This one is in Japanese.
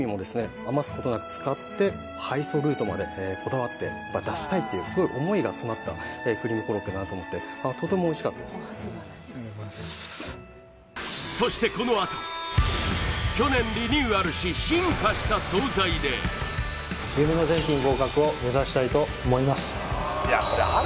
余すことなく使って配送ルートまでこだわって出したいっていうすごい思いが詰まったクリームコロッケだなと思ってそしてこのあと去年リニューアルし進化した惣菜で夢の全品合格を目指したいと思います